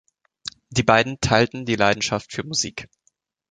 Die beiden teilten die Leidenschaft für Musik.